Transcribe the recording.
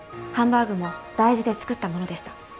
ハンバーグも大豆で作ったものでした。